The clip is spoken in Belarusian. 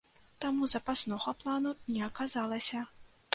Таму запаснога плану не аказалася.